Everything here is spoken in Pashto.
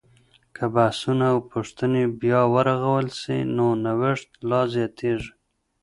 که بحثونه او پوښتنې بیا ورغول سي، نو نوښت لا زیاتیږي.